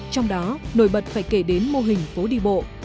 trong đó nổi bật phải kể đến mô hình phố đi bộ